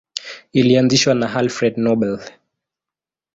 Ilianzishwa na Alfred Nobel.